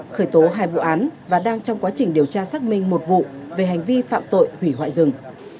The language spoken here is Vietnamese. khởi tố hai vụ án và đang trong quá trình điều tra xác minh một vụ về hành vi phạm tội hủy hoại rừng